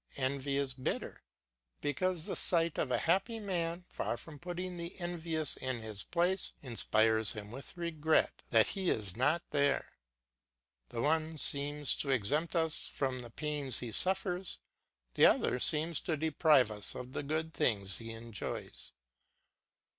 Envy is bitter, because the sight of a happy man, far from putting the envious in his place, inspires him with regret that he is not there. The one seems to exempt us from the pains he suffers, the other seems to deprive us of the good things he enjoys.